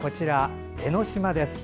江の島です。